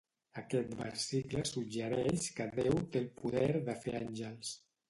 Aquest versicle suggereix que Déu té el poder de fer àngels.